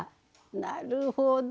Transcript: なるほど。